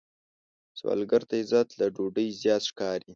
سوالګر ته عزت له ډوډۍ زیات ښکاري